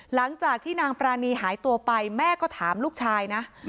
หลังจากที่นางปรานีหายตัวไปแม่ก็ถามลูกชายนะ